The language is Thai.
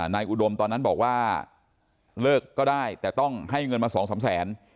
อุดมตอนนั้นบอกว่าเลิกก็ได้แต่ต้องให้เงินมาสองสามแสน